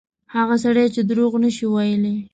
هغه سړی چې دروغ نه شي ویلای.